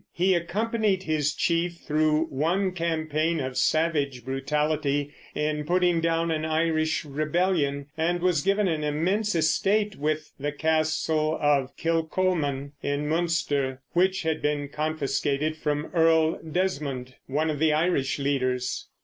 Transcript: He accompanied his chief through one campaign of savage brutality in putting down an Irish rebellion, and was given an immense estate with the castle of Kilcolman, in Munster, which had been confiscated from Earl Desmond, one of the Irish leaders.